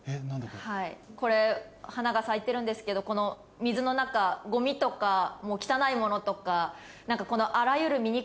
これ花が咲いてるんですけどこの水の中ゴミとか汚いものとか。